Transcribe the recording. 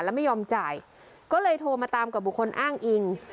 แล้วไม่ยอมจ่ายก็เลยโทรมาตามกับบุคคลอ้างอิง